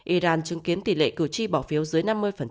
iran chứng kiến tỷ lệ cử tri bỏ phiếu dưới năm mươi